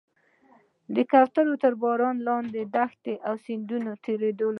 د اکتوبر تر باران لاندې له دښتې او سیند څخه تېرېدو.